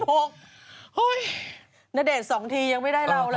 เฮ้ยณเดชน์๒ทียังไม่ได้เราล่ะ